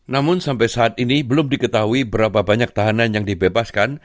namun sampai saat ini belum diketahui berapa banyak tahanan yang dibebaskan